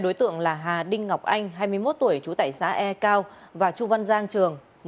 hai đối tượng là hà đinh ngọc anh hai mươi một tuổi chú tại xã e cao và chu văn giang trường